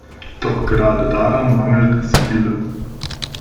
Doch gerade daran mangelt es vielen.